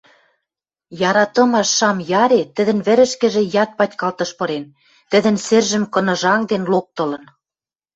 Яратымаш шам яре тӹдӹн вӹрӹшкӹжӹ яд патькалтыш пырен, тӹдӹн сӹржӹм кыныжангден, локтылын.